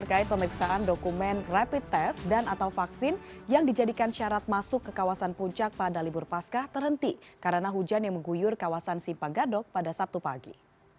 terkait pemeriksaan dokumen rapid test dan atau vaksin yang dijadikan syarat masuk ke kawasan puncak pada libur pasca terhenti karena hujan yang mengguyur kawasan simpang gadok pada sabtu pagi